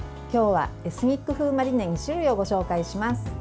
今日はエスニック風マリネ２種類をご紹介します。